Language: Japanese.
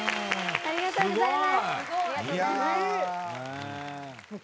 ありがとうございます。